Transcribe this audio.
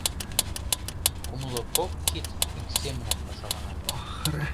Кумло кок кид ик семынак пашалана.